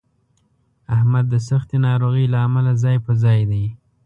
احمد د سختې ناروغۍ له امله ځای په ځای دی.